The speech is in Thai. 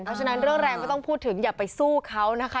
เพราะฉะนั้นเรื่องแรงไม่ต้องพูดถึงอย่าไปสู้เขานะคะ